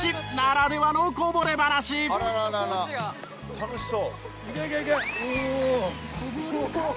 「楽しそう」